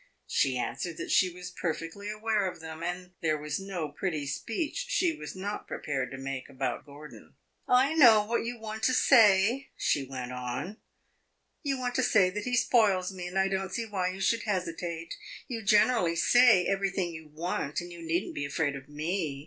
She answered that she was perfectly aware of them, and there was no pretty speech she was not prepared to make about Gordon. "I know what you want to say," she went on; "you want to say that he spoils me, and I don't see why you should hesitate. You generally say everything you want, and you need n't be afraid of me.